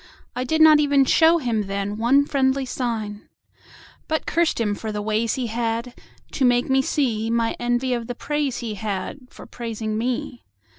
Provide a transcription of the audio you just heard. I did not even show him thenOne friendly sign; But cursed him for the ways he hadTo make me seeMy envy of the praise he hadFor praising me.